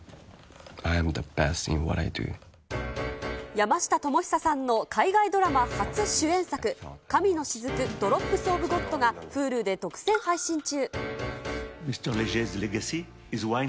山下智久さんの海外ドラマ初主演作、神の雫／ドロップス・オブ・ゴッドがＨｕｌｕで独占配信中。